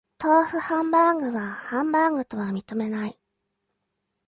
豆腐ハンバーグはハンバーグとは認めない